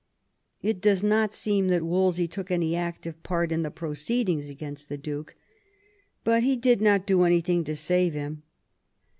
It does not seem that Wolsey took any active part in the proceedings against the Duke, but he did not do anything to save him.